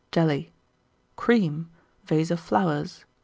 Jelly. Cream. Vase of Cream. Flowers.